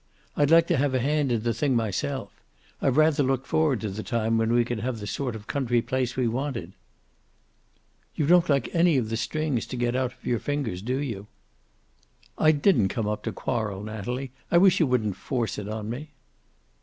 I'd like to have a hand in the thing myself. I've rather looked forward to the time when we could have the sort of country place we wanted." "You don't like any of the strings to get out of your fingers, do you?" "I didn't come up to quarrel, Natalie. I wish you wouldn't force it on me."